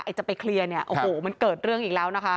จะไปเคลียร์เนี่ยโอ้โหมันเกิดเรื่องอีกแล้วนะคะ